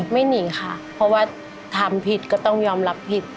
ไม่หนีค่ะเพราะว่าทำผิดก็ต้องยอมรับผิด